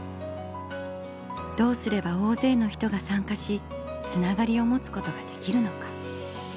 どうすれば大勢の人が参加しつながりを持つことができるのか？